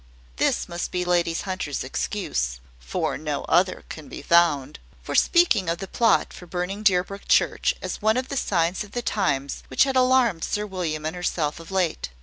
This must be Lady Hunter's excuse (for no other can be found) for speaking of the plot for burning Deerbrook church as one of the signs of the times which had alarmed Sir William and herself of late.